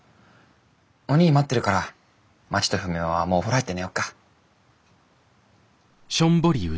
おにぃ待ってるからまちとふみおはもうお風呂入って寝ようか。